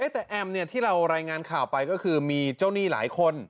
แต่แอมที่เรารายงานข่าวไปก็คือมีเจ้าหนี้หลายคน